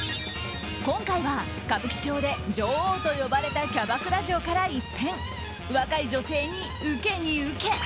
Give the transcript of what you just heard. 今回は歌舞伎町で嬢王と呼ばれたキャバクラ嬢から一変若い女性に受けに受け